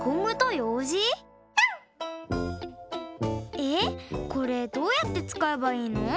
えっこれどうやってつかえばいいの？